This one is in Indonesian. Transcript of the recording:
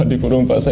kutip uton terbuka